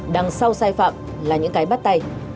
đằng sau sai phạm là những cái bắt tay